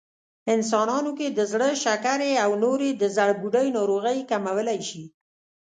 انسانانو کې د زړه، شکرې او نورې د زړبوډۍ ناروغۍ کمولی شي